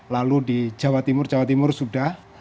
lalu di jawa timur jawa timur sudah